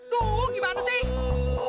aduh gimana sih